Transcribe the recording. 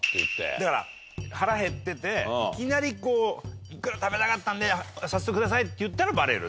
だから腹減ってていきなりこうイクラ食べたかったんで早速くださいって言ったらバレる。